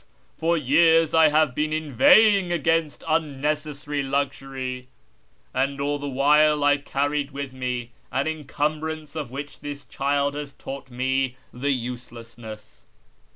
for years I have been inveighing against unnecessary luxury, and all the while I carried with me an encumbrance of which this child has taught me the uselessness